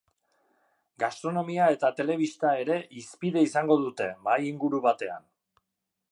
Gastronomia eta telebista ere hizpide izango dute, mahai-inguru batean.